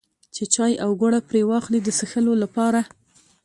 چې چای او ګوړه پرې واخلي د څښلو لپاره.